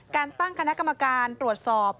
การตั้งคณะกรรมการตรวจสอบ